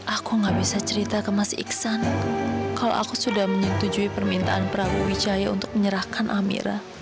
aku gak bisa cerita ke mas iksan kalau aku sudah menyetujui permintaan prawijaya untuk menyerahkan amira